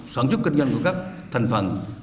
soạn chúc kinh doanh của các thành phần